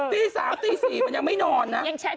ตีสามตีสี่มันยังไม่นอนนะ